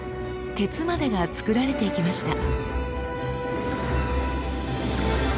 鉄までが作られていきました。